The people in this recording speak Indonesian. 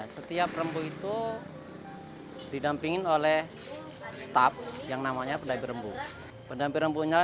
setiap rembuk itu didampingin oleh staf yang namanya pendamping rembuk